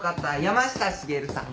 山下茂さん。